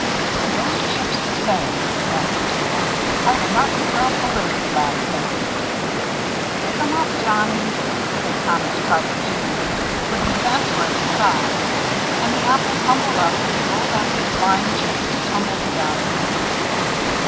"And those chips the same," added the Tailor; "I will not clear up the litter you lads make." "Pick 'em up, Johnnie," said Thomas Trout, junior, with an exasperated sigh; and the apple tumbled up, rolled after the flying chips, and tumbled down again.